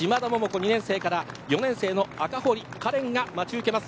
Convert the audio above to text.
２年生から４年生の赤堀かれんが待ち受けます。